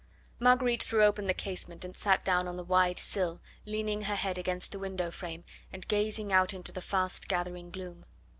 Marguerite threw open the casement and sat down on the wide sill, leaning her head against the window frame, and gazing out into the fast gathering gloom.